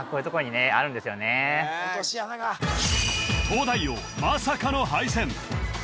東大王まさかの敗戦